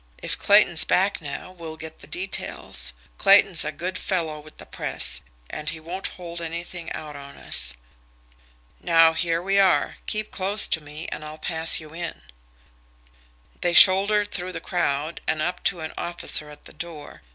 If Clayton's back now we'll get the details. Clayton's a good fellow with the 'press,' and he won't hold anything out on us. Now, here we are. Keep close to me, and I'll pass you in." They shouldered through the crowd and up to an officer at the door.